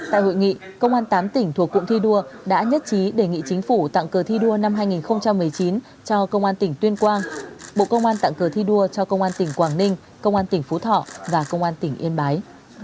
tại hội nghị công an tám tỉnh thuộc cụm thi đua đã nhất trí đề nghị chính phủ tặng cờ thi đua năm hai nghìn một mươi chín cho công an tỉnh tuyên quang bộ công an tặng cờ thi đua cho công an tỉnh quảng ninh công an tỉnh phú thọ và công an tỉnh yên bái